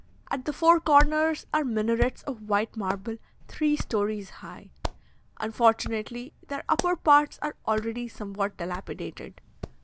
At the four corners are minarets of white marble three stories high; unfortunately, their upper parts are already somewhat dilapidated.